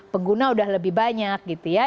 pengguna udah lebih banyak gitu ya